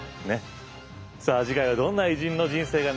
さあ次回はどんな偉人の人生が見られるのでしょうか。